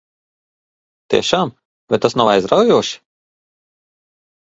Tiešām? Vai tas nav aizraujoši?